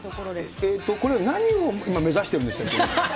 えーと、これは今、何を目指してるんでしたっけ。